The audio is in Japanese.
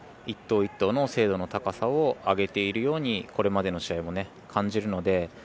１投１投の精度の高さを上げているようにこれまでの試合も感じるので。